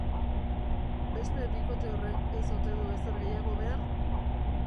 Beste bikote horrek ez ote du ezer gehiago behar?